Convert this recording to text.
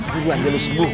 dulu aja lu sembuh